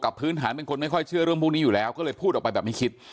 พื้นฐานเป็นคนไม่ค่อยเชื่อเรื่องพวกนี้อยู่แล้วก็เลยพูดออกไปแบบไม่คิด